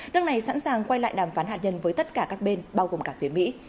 nước này sẵn sàng quay lại đàm phán hạt nhân với tất cả các bên bao gồm cả phía mỹ